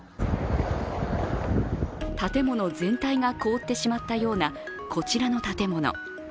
建物全体が凍ってしまったような、こちらの建物。